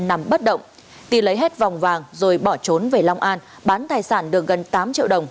nằm bất động ti lấy hết vòng vàng rồi bỏ trốn về long an bán tài sản được gần tám triệu đồng